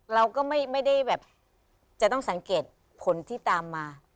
เราก็ไม่ได้แบบจะต้องสังเกตผลที่ตามมา